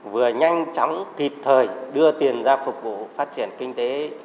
vừa nhanh chóng kịp thời đưa tiền ra phục vụ phát triển kinh tế